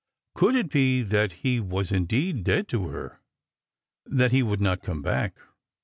Could it be that he was indeed dead to her ; that he would not come back